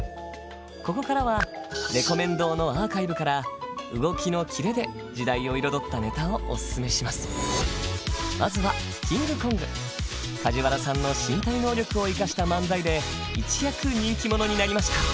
ここからはれこめん堂のアーカイブから動きのキレで時代を彩ったネタをオススメします梶原さんの身体能力を生かした漫才で一躍人気者になりました